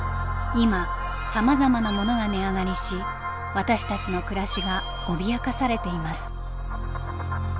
今さまざまなものが値上がりし私たちの暮らしが脅かされています。